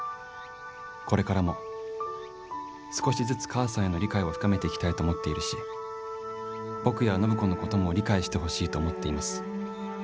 これからも少しずつ母さんへの理解を深めていきたいと思っているし僕や暢子のことも理解してほしいと思っています。